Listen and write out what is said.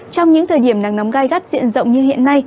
trong những thời điểm nắng nóng gai gắt diện rộng như hiện nay